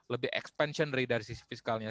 lebih expansionary dari sisi fiskalnya